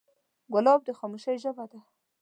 ګلاب د خاموشۍ ژبه ده.